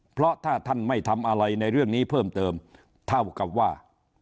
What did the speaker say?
เพราะถ้าท่านไม่ทำอะไรในเรื่องนี้เพิ่มเติมเท่ากับว่า